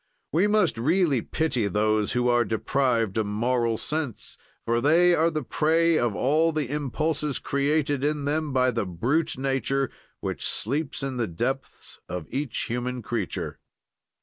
We must really pity those who are deprived of moral sense for they are the prey of all the impulses created in them by the brute nature, which sleeps in the depths of each human creature.